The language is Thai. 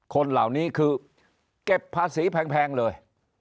คนเหล่านี้คือเก็บภาษีแพงเลย